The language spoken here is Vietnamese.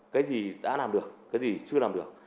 cái gì đã làm được cái gì chưa làm được